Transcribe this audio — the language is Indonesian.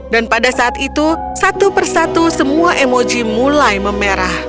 dan pada saat itu satu persatu semua emoji mulai memerah